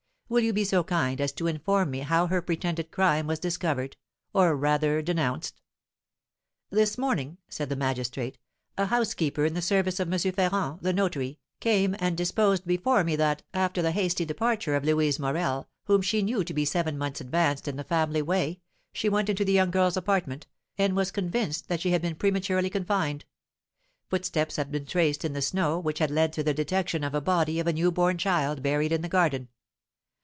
Will you be so kind as inform me how her pretended crime was discovered, or rather denounced?" "This morning," said the magistrate, "a housekeeper in the service of M. Ferrand, the notary, came and deposed before me that, after the hasty departure of Louise Morel, whom she knew to be seven months advanced in the family way, she went into the young girl's apartment, and was convinced that she had been prematurely confined; footsteps had been traced in the snow, which had led to the detection of the body of a new born child buried in the garden.